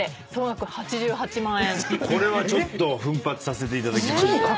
これはちょっと奮発させていただきました。